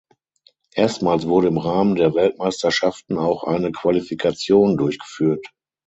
Erstmals wurde im Rahmen der Weltmeisterschaften auch eine Qualifikation durchgeführt.